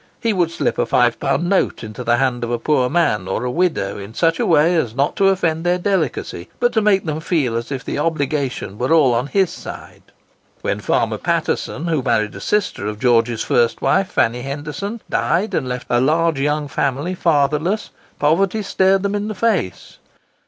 He would slip a five pound note into the hand of a poor man or a widow in such a way as not to offend their delicacy, but to make them feel as if the obligation were all on his side. When Farmer Paterson, who married a sister of George's first wife, Fanny Henderson, died and left a large young family fatherless, poverty stared them in the face.